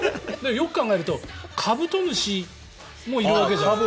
よく考えるとカブトムシもいるわけじゃん。